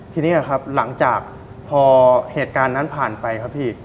ทีนี้ครับหลังจากพอเหตุการณ์นั้นผ่านไปครับพี่